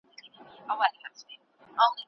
د بې ګناه خلګو نیول د ولس باور له منځه وړي.